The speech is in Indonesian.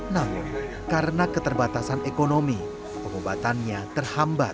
namun karena keterbatasan ekonomi pengobatannya terhambat